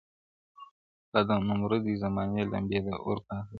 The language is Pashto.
لا د نمرودي زمانې لمبې د اور پاته دي-